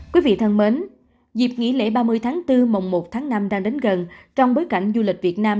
quý vị thân mến dịp nghỉ lễ ba mươi tháng bốn mùng một tháng năm đang đến gần trong bối cảnh du lịch việt nam